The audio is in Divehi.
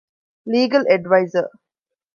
ލީގަލް އެޑްވައިޒަރ